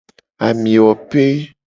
Amiwope.